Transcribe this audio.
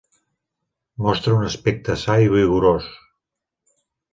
Mostra un aspecte sa i vigorós.